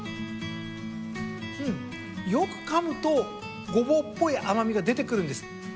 よくかむとごぼうっぽい甘みが出てくるんです。